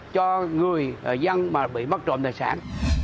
cho người dân mà bị mất trộm tài sản